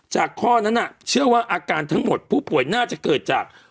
ข้อนั้นเชื่อว่าอาการทั้งหมดผู้ป่วยน่าจะเกิดจาก